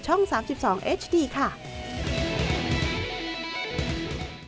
โอเค